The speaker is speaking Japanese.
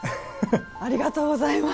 ありがとうございます。